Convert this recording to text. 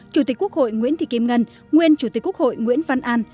chủ tịch quốc hội nguyễn thị kim ngân nguyên chủ tịch quốc hội nguyễn văn an